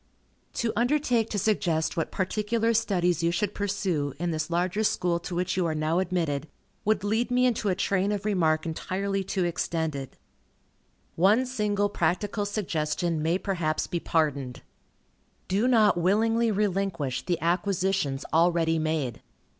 To undertake to suggest what particular studies you should pursue, in this larger school to which you are now admitted, would lead me into a train of remark entirely too extended. One single practical suggestion may perhaps be pardoned. Do not willingly relinquish the acquisitions already made.